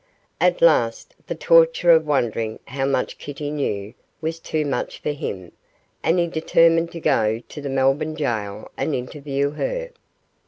At last the torture of wondering how much Kitty knew was too much for him, and he determined to go to the Melbourne gaol and interview her.